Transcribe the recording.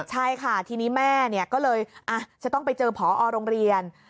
ใช่ค่ะทีนี้แม่ก็เลยจะต้องไปเจอผอโรงเรียน